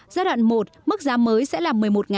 giai đoạn một mức giá mới sẽ là